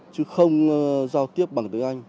chứ không giao tiếp bằng tiếng anh